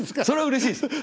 それはうれしいです。